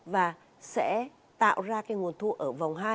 và sẽ tạo ra nguồn thu ở vòng hai